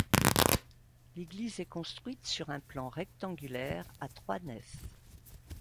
L'église est construite sur un plan rectangulaire à trois nefs.